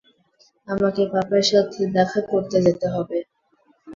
আমাকে পাপার সাথে দেখা করতে যেতে হবে।